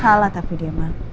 salah tapi dia mah